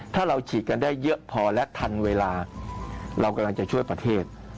ถ้าเราฉีดกันได้เยอะพอและทันเวลาเรากำลังจะช่วยประเทศ